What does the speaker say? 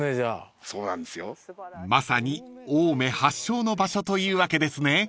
［まさに青梅発祥の場所というわけですね］